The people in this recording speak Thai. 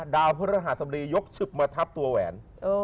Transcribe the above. ดาวพฤติธรรมศาสตรียกฉึบมาทับตัวแหวน